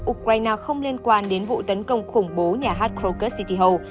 ukraine không liên quan đến vụ tấn công khủng bố nhà hạt kronkert city hall